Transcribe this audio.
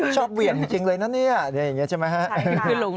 เหวี่ยงจริงเลยนะเนี่ยอย่างนี้ใช่ไหมครับ